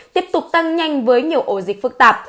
tiếp tục tăng nhanh với nhiều ổ dịch phức tạp